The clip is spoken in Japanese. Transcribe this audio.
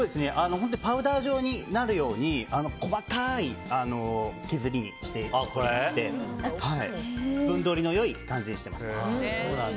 パウダー状になるように細かい削りにしていてスプーン通りの良い感じにしてます。